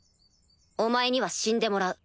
お前には死んでもらう。